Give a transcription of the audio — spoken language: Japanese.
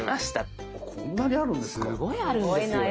こんなにあるんですか。